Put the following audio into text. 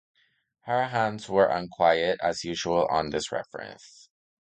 Her hands were unquiet, as usual, on this reference.